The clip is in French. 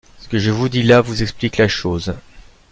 Ce que je vous dis là vous explique la chose